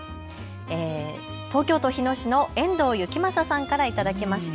東京都日野市の遠藤幸政さんから頂きました。